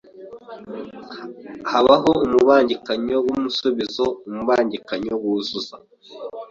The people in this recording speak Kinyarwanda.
Habaho umubangikanyo w’umusubizo umubangikanyo wuzuza